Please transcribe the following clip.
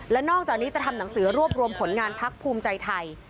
และนอกจากนี้จะทำหนังสือรวบรวมผลงานพักภูมิใจไทย